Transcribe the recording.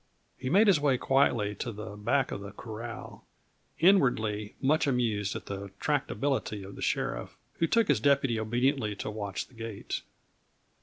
He made his way quietly to the back of the corral, inwardly much amused at the tractability of the sheriff, who took his deputy obediently to watch the gate.